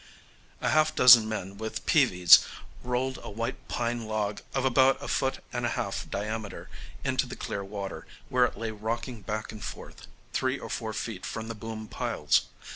A half dozen men with peavies rolled a white pine log of about a foot and a half diameter into the clear water, where it lay rocking back and forth, three or four feet from the boom piles.